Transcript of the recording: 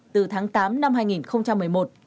từ tháng tám năm hai nghìn một mươi một